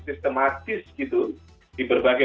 sistematis gitu di berbagai